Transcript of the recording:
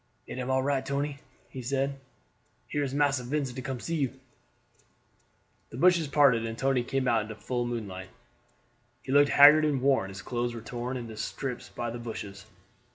"It am all right, Tony," he said; "here is Massa Vincent come to see you." The bushes parted and Tony came out into the full moonlight. He looked haggard and worn; his clothes were torn into strips by the bushes.